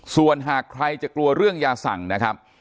ส่วนหากใครจะกลัวเรื่องยาสั่งนะครับ